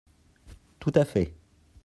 Tout à fait.